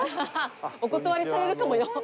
お断りされるかもよ。